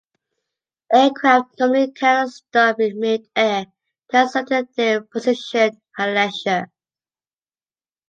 Aircraft normally cannot stop in mid-air to ascertain their position at leisure.